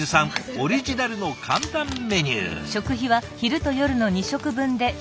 オリジナルの簡単メニュー。